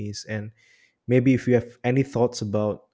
apakah anda punya pendapat